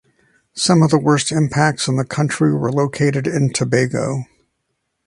Some of the worst impacts in the country were located in Tobago.